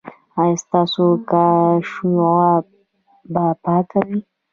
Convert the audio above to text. ایا ستاسو کاشوغه به پاکه وي؟